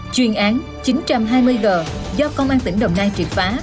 chuyên án chín trăm hai mươi g do công an tỉnh đồng nai triệt phá